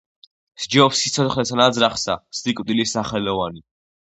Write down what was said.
სჯობს სიცოცხლესა ნაძრახსა სიკვდილი სახელოვანი.